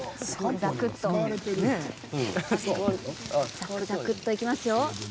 ザクザクっといきますよ。